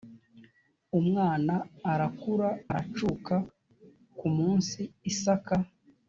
umwana arakura aracuka ku munsi isaka